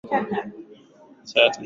Alikuwa mtu ambaye ana ari ya kusoma